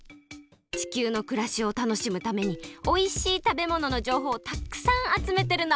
地球のくらしをたのしむためにおいしいたべもののじょうほうをたっくさんあつめてるの！